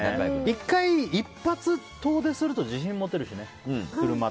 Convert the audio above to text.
１回、遠出すると自信が持てるしね。